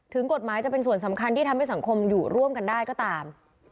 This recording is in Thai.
กฎหมายจะเป็นส่วนสำคัญที่ทำให้สังคมอยู่ร่วมกันได้ก็ตาม